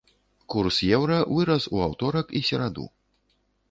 Курс еўра вырас ў аўторак і сераду.